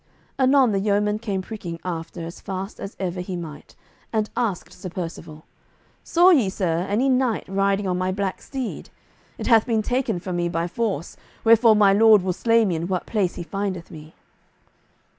Anon the yeoman came pricking after as fast as ever he might, and asked Sir Percivale, "Saw ye, sir, any knight riding on my black steed? It hath been taken from me by force, wherefore my lord will slay me in what place he findeth me."